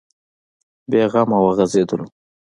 بې غمه وغځېدلو.